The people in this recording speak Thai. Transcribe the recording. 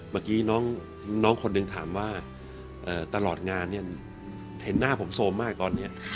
เมื่อกี้น้องคนหนึ่งถามว่าตลอดงานเนี่ยเห็นหน้าผมโซมมากตอนนี้